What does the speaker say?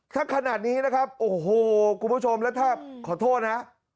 ถ้าขนาดนี้นะครับโอ้โหคุณผู้ชมแล้วถ้าขอโทษนะ